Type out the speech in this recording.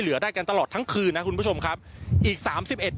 ได้กันตลอดทั้งคืนนะคุณผู้ชมครับอีกสามสิบเอ็ด